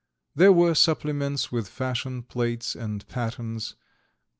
There were supplements with fashion plates and patterns.